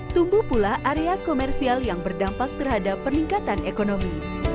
tumbuh pula area komersial yang berdampak terhadap peningkatan ekonomi